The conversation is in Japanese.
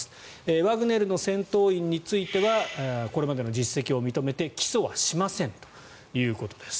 ワグネルの戦闘員についてはこれまでの実績を認めて起訴はしませんということです。